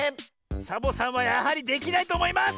サボさんはやはりできないとおもいます！